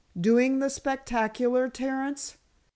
"Doing the spectacular, Terence?"